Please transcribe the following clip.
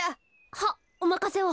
はっおまかせを。